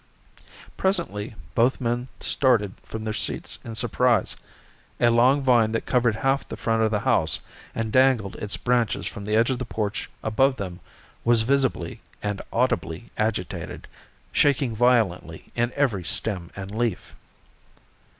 Presently both men started from their seats in surprise: a long vine that covered half the front of the house and dangled its branches from the edge of the porch above them was visibly and audibly agitated, shaking violently in every stem and leaf.